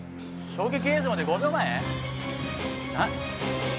衝撃映像まで５秒前？